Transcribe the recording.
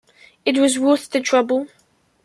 It was worth the trouble.